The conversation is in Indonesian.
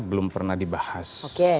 belum pernah dibahas